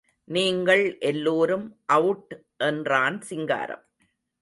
நீங்கள் எல்லோரும் அவுட் என்றான் சிங்காரம்.